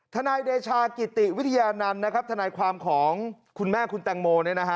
นายเดชากิติวิทยานันต์ทนายความของคุณแม่คุณแตงโม